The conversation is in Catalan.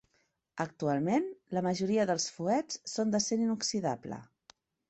Actualment, la majoria dels fuets són d'acer inoxidable.